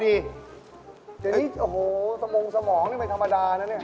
เดี๋ยวนี้โอ้โหสมงสมองนี่ไม่ธรรมดานะเนี่ย